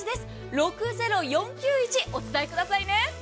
６０４９１お伝えくださいね。